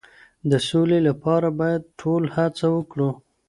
د سولې لپاره باید ټول هڅه وکړو.